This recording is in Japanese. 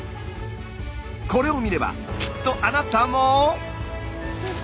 これを見ればきっとあなたも。